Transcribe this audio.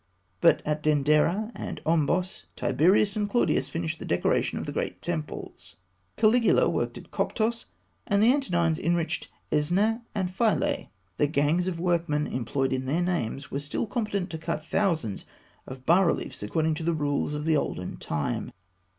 But at Denderah and Ombos, Tiberius and Claudius finished the decoration of the great temples. Caligula worked at Coptos, and the Antonines enriched Esneh and Philae. The gangs of workmen employed in their names were still competent to cut thousands of bas reliefs according to the rules of the olden time.